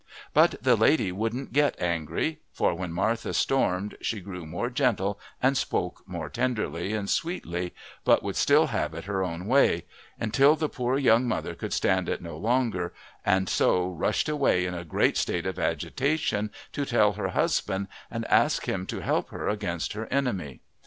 But the lady wouldn't get angry, for when Martha stormed she grew more gentle and spoke tenderly and sweetly, but would still have it her own way, until the poor young mother could stand it no longer, and so rushed away in a great state of agitation to tell her husband and ask him to help her against her enemy.